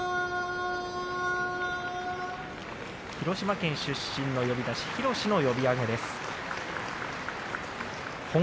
広島県出身の呼出し広の呼び上げです。